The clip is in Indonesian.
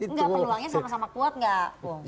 enggak peluangnya sama sama kuat gak